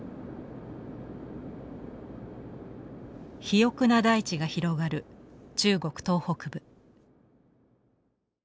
肥沃な大地が広がる中国東北部。